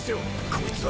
こいつは。